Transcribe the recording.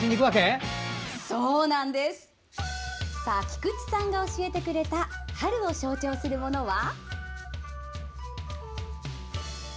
菊池さんが教えてくれた春を象徴するものは。